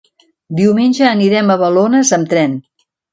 Diumenge anirem a Balones amb tren.